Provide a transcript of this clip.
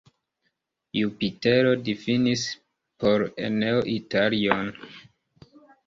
Jupitero difinis por Eneo Italion.